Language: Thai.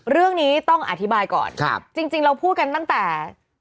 เรื่องนี้ต้องอธิบายก่อนจริงเราพูดกันตั้งแต่